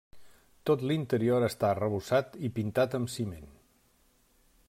Tot l'interior està arrebossat i pintat amb ciment.